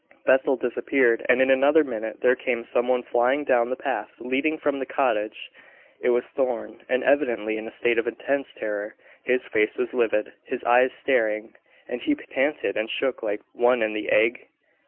Bethel disappeared, and in another minute there came some one flying down the path leading from the cottage. It was Thorn, and evidently in a state of intense terror. His face was livid, his eyes staring, and he panted and shook like one in the ague.